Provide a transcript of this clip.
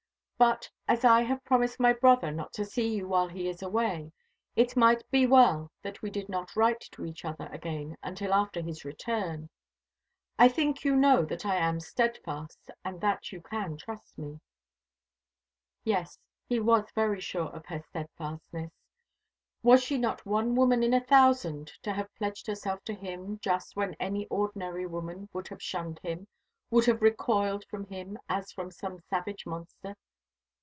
But as I have promised my brother not to see you while he is away, it might be well that we did not write to each other again until after his return. I think you know that I am steadfast, and that you can trust me." Yes, he was very sure of her steadfastness. Was she not one woman in a thousand to have pledged herself to him just when any ordinary woman would have shunned him would have recoiled from him as from some savage monster?